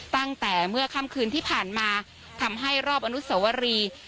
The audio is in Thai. ตั้งแต่เมื่อค่ำคืนที่ผ่านมาทำให้รอบอนุสวรี